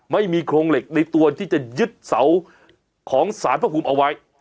ไม่มีโครงเหล็กในตัวที่จะยึดเสาของสารพระภูมิเอาไว้